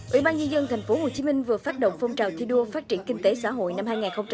ủy ban nhân dân tp hcm vừa phát động phong trào thi đua phát triển kinh tế xã hội năm hai nghìn hai mươi